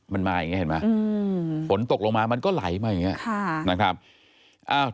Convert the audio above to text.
มันมาอย่างนี้เห็นไหมฝนตกลงมามันก็ไหลมาอย่างนี้นะครับ